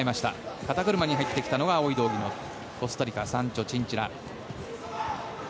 肩車に入ってきたのが青い道着のコスタリカサンチョ・チンチラ。